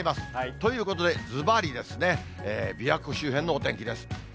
ということで、ずばり、びわ湖周辺のお天気です。